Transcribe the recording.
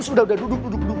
sudah sudah duduk duduk duduk